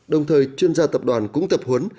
đồng thời chuyên gia tập đoàn cũng tập huấn